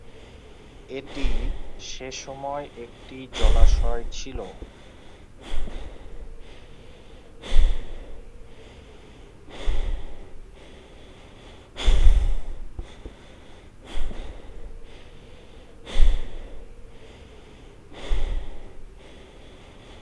এটি সেসময় একটি জলাশয় ছিল।